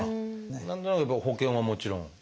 何となくやっぱ保険はもちろん。